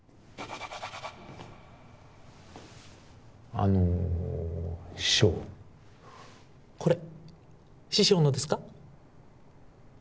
あの師匠これ師匠のですか？